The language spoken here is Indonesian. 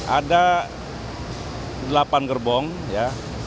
ada delapan gerbong ya